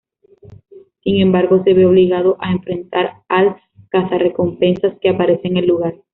Sin embargo, se ve obligado a enfrentar al Cazarrecompensas que aparece en el lugar.